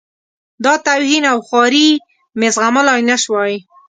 دا توهین او خواري مې زغملای نه شوای.